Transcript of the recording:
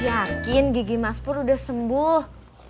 yakin gigi mas pur udah sembuh